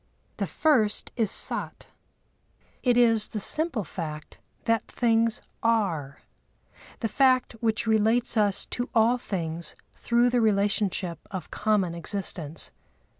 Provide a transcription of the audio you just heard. The first is Sat; it is the simple fact that things are, the fact which relates us to all things through the relationship of common existence.